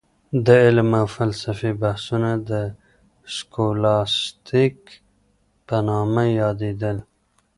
د علم او فلسفې بحثونه د سکولاستيک په نامه يادېدل.